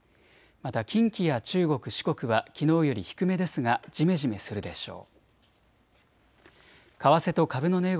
また近畿や中国、四国はきのうより低めですがじめじめするでしょう。